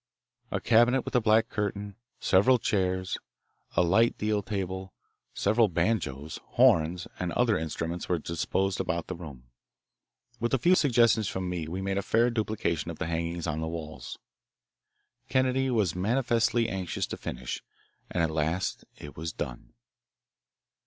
A cabinet with a black curtain, several chairs, a light deal table, several banjos, horns, and other instruments were disposed about the room. With a few suggestions from me we made a fair duplication of the hangings on the walls. Kennedy was manifestly anxious to finish, and at last it was done.